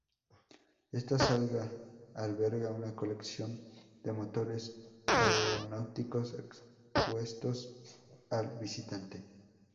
Esta sala alberga una colección de motores aeronáuticos, expuestos al visitante.